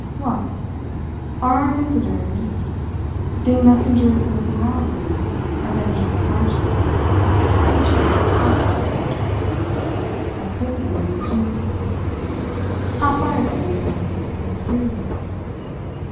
"What? Are our visitors then messengers of morality, avengers of righteousness, agents of Providence? That's certainly an original view. How flattered they would be if they could hear you!"